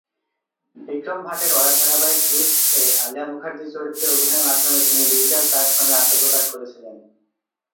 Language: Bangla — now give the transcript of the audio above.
বিক্রম ভাটের ওয়েব ধারাবাহিক "টুইস্ট"-এ আলিয়া মুখার্জি চরিত্রে অভিনয়ের মাধ্যমে তিনি ডিজিটাল প্ল্যাটফর্মে আত্মপ্রকাশ করেছিলেন।